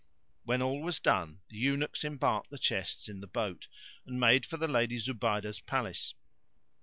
When all was done the eunuchs embarked the chests in the boat and made for the Lady Zubaydah's palace.